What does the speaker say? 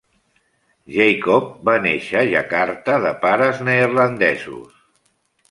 Jacob va néixer a Jakarta de pares neerlandesos.